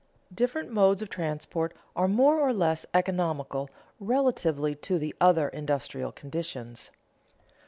_Different modes of transport are more or less economical relatively to the other industrial conditions.